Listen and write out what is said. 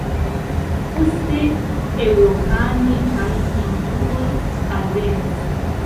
Poste eŭropanoj kaj hinduoj alvenis.